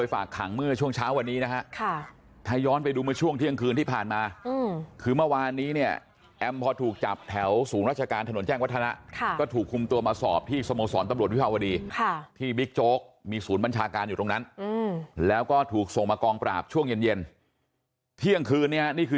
ว่าความสามารถเกร็นละว่าน้องได้ทำผิดสิ่งไหม